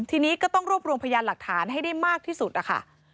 ทีนี้ก็ต้องรวบรวมพยานหลักฐานให้ได้มากที่สุดนะคะ